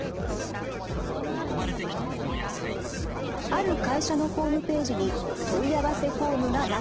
ある会社のホームページに問い合わせホームがなかった。